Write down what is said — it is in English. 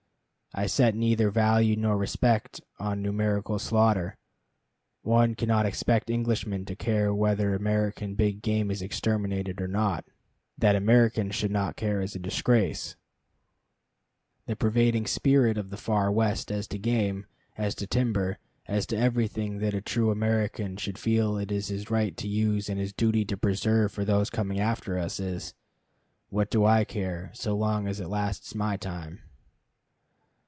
I set neither value nor respect on numerical slaughter. One cannot expect Englishmen to care whether American big game is exterminated or not; that Americans should not care is a disgrace. The pervading spirit of the far West as to game, as to timber, as to everything that a true American should feel it his right to use and his duty to preserve for those coming after, is "What do I care, so long as it lasts my time?"